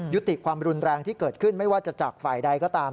ยุติความรุนแรงที่เกิดขึ้นไม่ว่าจะจากฝ่ายใดก็ตาม